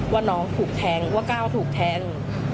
ว่าน้องถูกแทงว่าก้าวถูกแทง